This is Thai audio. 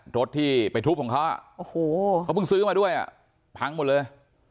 รถที่ไปทุบของเขาเขาเพิ่งซื้อมาด้วยอ่ะพังหมดเลย